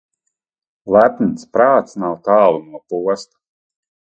Lepns prāts nav tālu no posta.